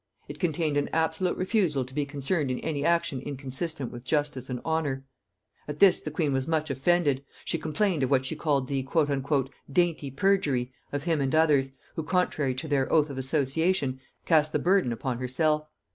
It contained an absolute refusal to be concerned in any action inconsistent with justice and honor. At this the queen was much offended; she complained of what she called the "dainty perjury" of him and others, who contrary to their oath of association cast the burthen upon herself.